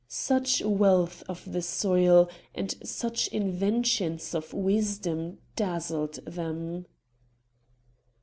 Such wealth of the soil and such inventions of wisdom dazzled them.